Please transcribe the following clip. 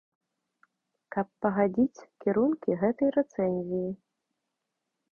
Каб пагадзіць кірункі гэтай рэцэнзіі.